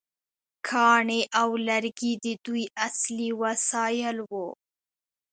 کاڼي او لرګي د دوی اصلي وسایل وو.